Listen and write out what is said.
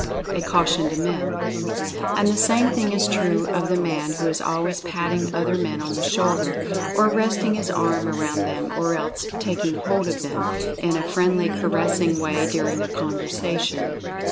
A CAUTION TO MEN. And the same thing is true of the man who is always patting other men on the shoulder, or resting his arm around them, or else "taking hold of them" in a friendly caressing way during a conversation.